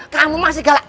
kamu masih galak